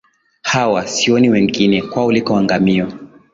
Hawa, sioni wengine, kwao liko angamiyo